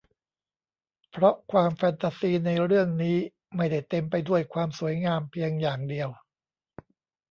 เพราะความแฟนตาซีในเรื่องนี้ไม่ได้เต็มไปด้วยความสวยงามเพียงอย่างเดียว